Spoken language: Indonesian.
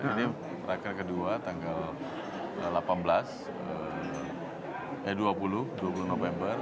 ini raker kedua tanggal delapan belas eh dua puluh dua puluh november